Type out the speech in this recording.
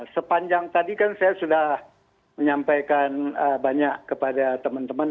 sepanjang tadi kan saya sudah menyampaikan banyak kepada teman teman